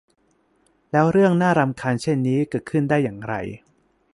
แล้วเรื่องน่ารำคาญเช่นนี้เกิดขึ้นได้อย่างไร